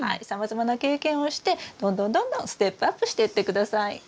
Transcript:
さまざまな経験をしてどんどんどんどんステップアップしていって下さい。